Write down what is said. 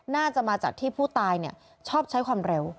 น่าจะมาจากที่ผู้ตายชอบใช้ความเร็ว